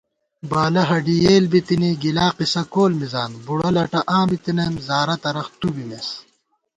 بالہ ہَڈِی یېل بِتِنی، گلا قصہ کول مِزان * بُڑہ لٹہ آں بِتنئیم، زارہ ترخ تُو بِمېس